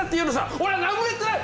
俺は何もやってない。